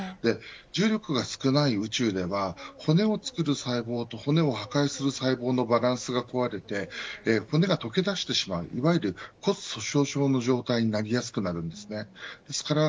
重力が少ない宇宙では骨を作る細胞と骨を破壊する細胞のバランスが壊れていて骨が溶け立てしまういわゆる骨そそう症の状態になりやすくなります。